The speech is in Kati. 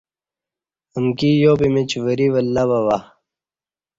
امکی یا پِِمیچ وری ولہ بہ بہ